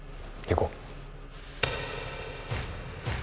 行こう！